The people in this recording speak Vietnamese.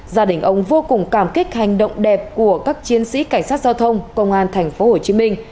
gia đình ông vô cùng cảm kích hành động đẹp của các chiến sĩ cảnh sát giao thông công an tp hcm